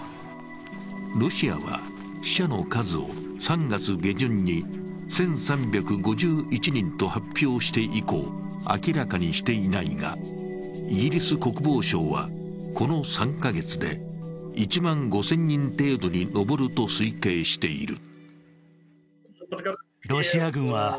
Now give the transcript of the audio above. ロシアは死者の数を３月下旬に１３５１人と発表して以降、明らかにしていないがイギリス国防省はこの３カ月で１万５０００人程度に上ると推計している。